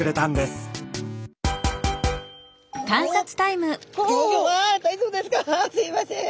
すいません。